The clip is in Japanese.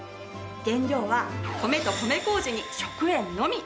原料は米と米こうじに食塩のみ。